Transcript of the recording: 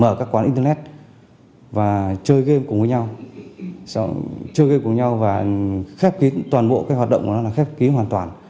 mở các quán internet và chơi game cùng với nhau chơi game cùng với nhau và khép kín toàn bộ cái hoạt động của nó là khép kín hoàn toàn